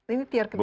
ini tier ketiga